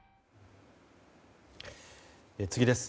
次です。